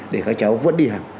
để các cháu vẫn đi học